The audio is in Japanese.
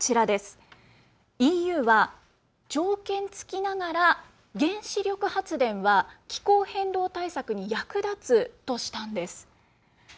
ＥＵは条件付きながら原子力発電は気候変動対策に役立つとしたんです。